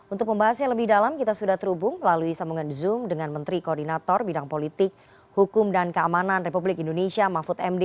untuk pembahas yang lebih dalam kita sudah terhubung melalui sambungan zoom dengan menteri koordinator bidang politik hukum dan keamanan republik indonesia mahfud md